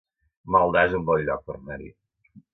Maldà es un bon lloc per anar-hi